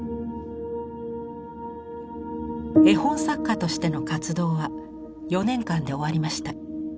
絵本作家としての活動は４年間で終わりました。